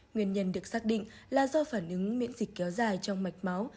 nguyên nhân được xác định là do phản ứng miễn dịch kéo dài trong mạch máu